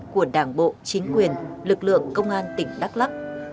của đảng bộ chính quyền lực lượng công an tỉnh đắk lắc